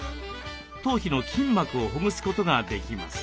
頭皮の筋膜をほぐすことができます。